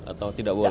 atau tidak boleh